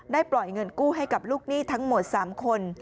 ปล่อยเงินกู้ให้กับลูกหนี้ทั้งหมด๓คน